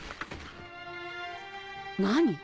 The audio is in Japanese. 何？